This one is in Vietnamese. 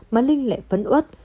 mà linh lại phấn út